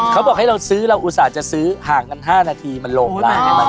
เขาบอกให้เราซื้อเราอุตส่าห์จะซื้อห่างกัน๕นาทีมันลงได้